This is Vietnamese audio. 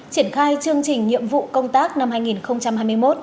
triển khai chương trình nhiệm vụ công tác năm hai nghìn hai mươi một